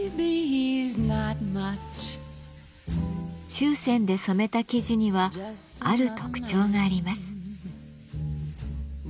注染で染めた生地にはある特徴があります。